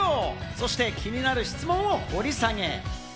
そして気になる質問を掘り下げ！